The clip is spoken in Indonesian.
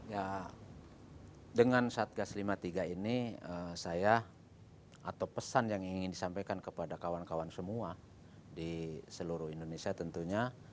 ya dengan satgas lima puluh tiga ini saya atau pesan yang ingin disampaikan kepada kawan kawan semua di seluruh indonesia tentunya